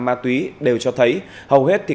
ma túy đều cho thấy hầu hết thì